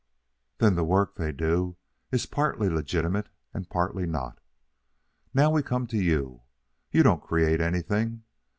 "Then the work they do is partly legitimate and partly not. Now we come to you. You don't create anything.